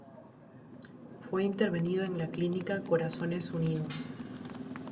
Fue intervenido en la clínica Corazones Unidos.